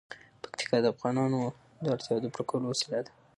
پکتیکا د افغانانو د اړتیاوو د پوره کولو وسیله ده.